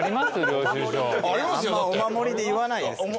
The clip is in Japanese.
あんまお守りで言わないですけどね。